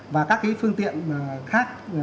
và các cái phương tiện khác